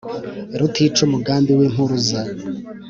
rutica umugambi w’impuruza